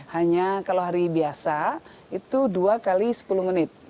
hanya kalau hari biasa itu dua x sepuluh menit